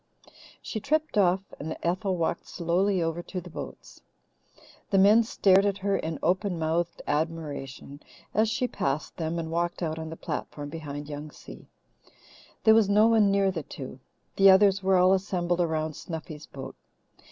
She tripped off, and Ethel walked slowly over to the boats. The men stared at her in open mouthed admiration as she passed them and walked out on the platform behind Young Si. There was no one near the two. The others were all assembled around Snuffy's boat.